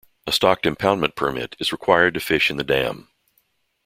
A stocked impoundment permit is required to fish in the dam.